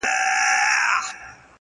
داده چا ښكلي ږغ كي ښكلي غوندي شعر اورمه;